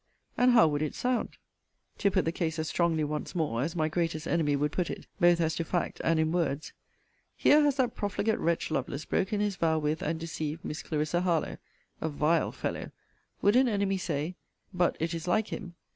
And how would it sound, to put the case as strongly once more, as my greatest enemy would put it, both as to fact and in words here has that profligate wretch Lovelace broken his vow with and deceived Miss Clarissa Harlowe. A vile fellow! would an enemy say: but it is like him.